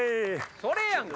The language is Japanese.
それやんか！